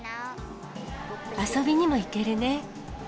遊びにも行けるね。